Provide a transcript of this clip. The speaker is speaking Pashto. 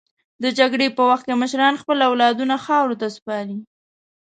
د جګړې په وخت کې مشران خپل اولادونه خاورو ته سپاري.